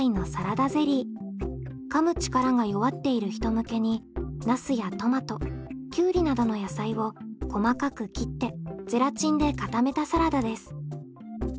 噛む力が弱っている人向けにナスやトマトきゅうりなどの野菜を細かく切ってゼラチンで固めたサラダです。